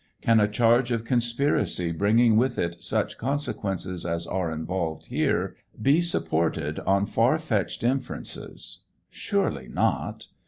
Can a charge of conspiracy, bringing with it such consequences as are involved here, be supported on far fetched inferences ? Surely not.